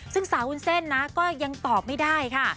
ซึ่งสาววุ้นเส้นนะก็ยังตอบไม่ได้ค่ะ